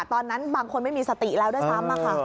ตอนนั้นบางคนไม่มีสติแล้วด้วยซ้ำค่ะ